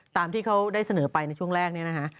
ตามที่เขาได้เสนอไปในช่วงแรกเนี่ยนะฮะ